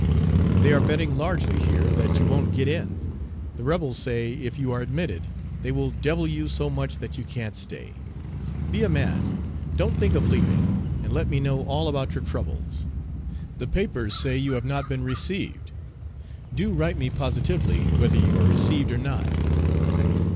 They are betting largely here that you won't get in. The rebels say if you are admitted, they will devil you so much that you can't stay. Be a man; don't think of leaving, and let me know all about your troubles. The papers say you have not been received. Do write me positively whether you are received or not.